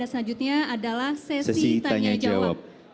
dan selanjutnya adalah sesi tanya jawab